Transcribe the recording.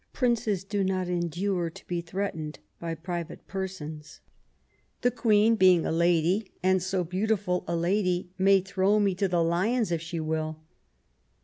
Princes do not endure to be threatened by private persons. The Queen, being a lady, and so beautiful a lady, may throw me to the lions if she will."